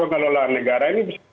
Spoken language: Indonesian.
pengelolaan negara ini bisa